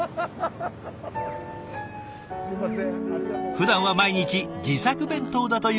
ふだんは毎日自作弁当だという画伯。